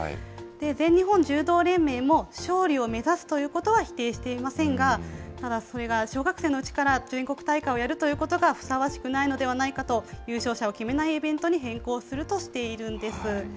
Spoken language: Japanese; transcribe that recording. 全日本柔道連盟も、勝利を目指すということは否定していませんが、ただそれが小学生のうちから、全国大会をやるということがふさわしくないのではないかと、優勝者を決めないイベントに変更するとしているんです。